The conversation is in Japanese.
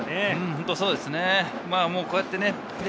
本当にそうですね。